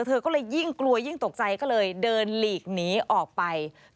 เธอก็เลยยิ่งกลัวยิ่งตกใจก็เลยเดินหลีกหนีออกไป